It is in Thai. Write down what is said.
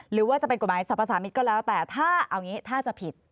หรือว่าจะเป็นกฎหมายสรรพสามิตรก็แล้วแต่ถ้าเอาอย่างนี้ถ้าจะผิด